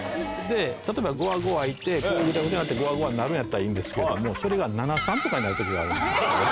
例えば５羽５羽いてぐちゃぐちゃになって５羽５羽になるんやったらいいんですけどもそれが７：３とかになる時があるんです。